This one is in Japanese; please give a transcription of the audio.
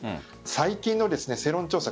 最近の世論調査